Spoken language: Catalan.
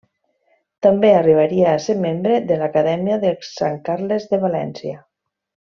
També arribaria a ser membre de l'Acadèmia de Sant Carles de València.